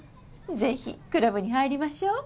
ぜひクラブに入りましょう。